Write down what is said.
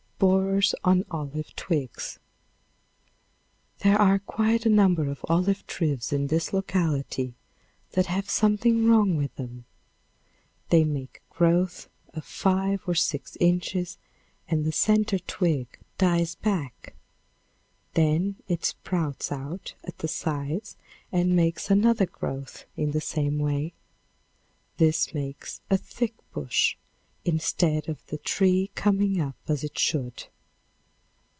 Borers in Olive Twigs. There are quite a number of olive trees in this locality that have something wrong with them. They make a growth of five or six inches and the center twig dies back, then it sprouts out at the sides and makes another growth in the same way. This makes a thick bush instead of the tree coming up as it should.